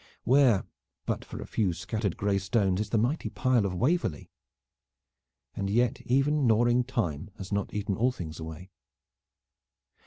Where, but for a few scattered gray stones, is the mighty pile of Waverley? And yet even gnawing Time has not eaten all things away.